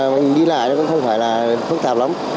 mình đi lại nó cũng không phải là phức tạp lắm